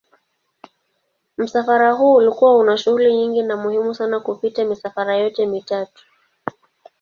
Msafara huu ulikuwa una shughuli nyingi na muhimu sana kupita misafara yote mitatu.